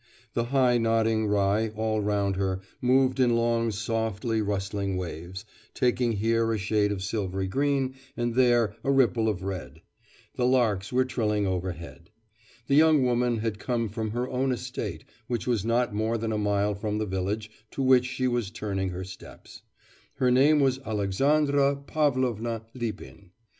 The high nodding rye all round her moved in long softly rustling waves, taking here a shade of silvery green and there a ripple of red; the larks were trilling overhead. The young woman had come from her own estate, which was not more than a mile from the village to which she was turning her steps. Her name was Alexandra Pavlovna Lipin.